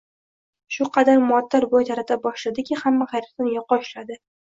Shu qadar muattar bo’y tarata boshladiki, hamma hayratdan yoqa ushladi!...